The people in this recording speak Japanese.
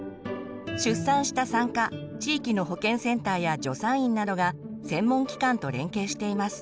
出産した産科地域の保健センターや助産院などが専門機関と連携しています。